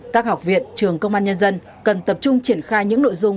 các học viện trường công an nhân dân cần tập trung triển khai những nội dung